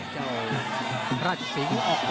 เจ้าราชสิงค์ออกก่อน